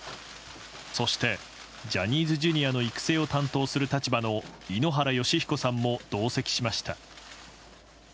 そしてジャニーズＪｒ．を育成を担当する立場の井ノ原快彦さんも同席しました。